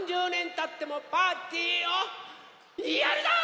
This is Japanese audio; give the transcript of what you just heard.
たってもパーティーをやるぞ！